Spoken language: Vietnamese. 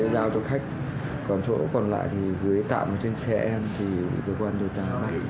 giao cho khách còn chỗ còn lại thì gửi tạm trên xe em thì cơ quan điều trả